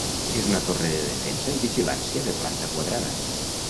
És una torre de defensa i vigilància de planta quadrada.